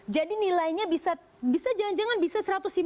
jadi nilainya bisa jangan jangan bisa satu ratus lima puluh